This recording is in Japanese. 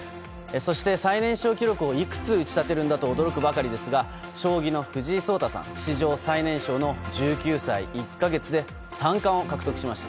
そして、最年少記録をいくつ打ち立てるんだと驚くばかりですが将棋の藤井聡太さん史上最年少の１９歳１か月で三冠を獲得しました。